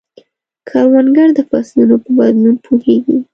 کروندګر د فصلونو په بدلون پوهیږي